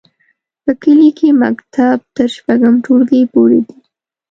په کلي کې مکتب تر شپږم ټولګي پورې دی.